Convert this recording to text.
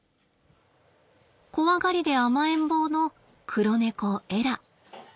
怖がりで甘えん坊の黒猫エラ。